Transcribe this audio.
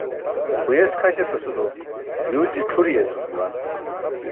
Huyes kʰaś etasulo yuulji c̣ʰur yeecum juwan.